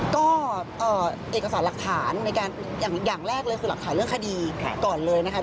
ก็เอกสารหลักฐานในการอย่างแรกเลยคือหลักฐานเรื่องคดีก่อนเลยนะคะ